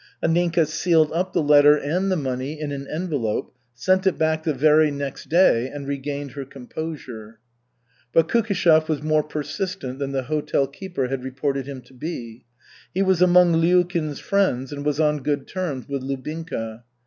Anninka sealed up the letter and the money in an envelope, sent it back the very next day, and regained her composure. But Kukishev was more persistent than the hotel keeper had reported him to be. He was among Lyulkin's friends and was on good terms with Lubinka.